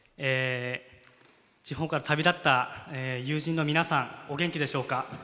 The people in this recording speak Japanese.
地方から旅立った友人の皆さんお元気でしょうか。